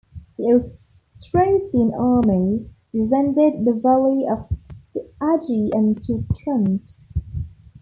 The Austrasian army descended the valley of the Adige and took Trent.